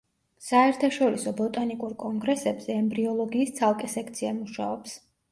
საერთაშორისო ბოტანიკურ კონგრესებზე ემბრიოლოგიის ცალკე სექცია მუშაობს.